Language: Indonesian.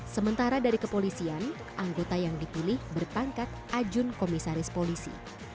sementara dari kepolisian anggota yang dipilih berpangkat ajun komisaris polisi